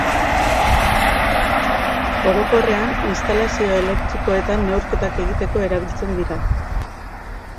Orokorrean instalazio elektrikoetan neurketak egiteko erabiltzen dira.